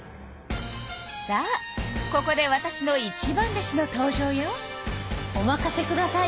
さあここでわたしの一番弟子の登場よ。